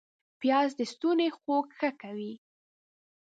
پیاز د ستوني خوږ ښه کوي